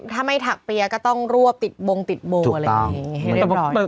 ถ้าไม่ถักเปรียก็ต้องรวบติดบงติดบงอะไรอย่างนี้